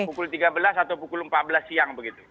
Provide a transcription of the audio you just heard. pukul tiga belas atau pukul empat belas siang begitu